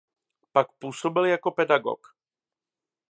Pak působil jako pedagog.